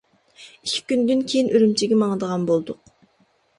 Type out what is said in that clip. ئىككى كۈندىن كىيىن ئۈرۈمچىگە ماڭىدىغان بولدۇق.